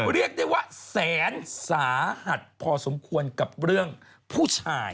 เรียกได้ว่าแสนสาหัสพอสมควรกับเรื่องผู้ชาย